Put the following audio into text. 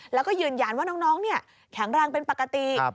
แล้วก็ยืนยันว่าน้องแข็งแรงเป็นปกติ